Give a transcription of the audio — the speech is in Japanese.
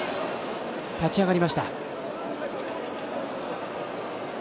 立ち上がりました。